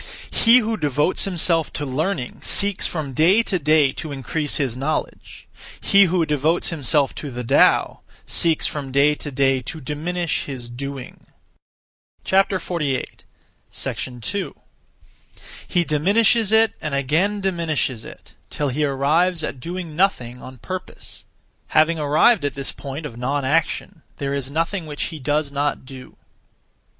He who devotes himself to learning (seeks) from day to day to increase (his knowledge); he who devotes himself to the Tao (seeks) from day to day to diminish (his doing). 2. He diminishes it and again diminishes it, till he arrives at doing nothing (on purpose). Having arrived at this point of non action, there is nothing which he does not do.